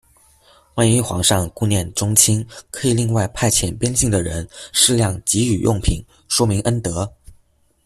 万一皇上顾念宗亲，可以另外派遣边境的人适量给予用品，说明恩德。